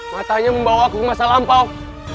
matanya membawa ke masa lampau